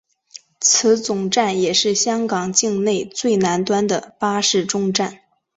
此总站也是香港境内最南端的巴士终站。